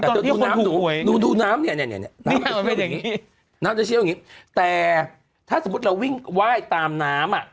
ที่ตอนที่คนผูกหวยนี่มันเป็นอย่างนี้น้ำจะเชี่ยวอย่างนี้แต่ถ้าสมมุติเราวิ่งไหว้ตามน้ำ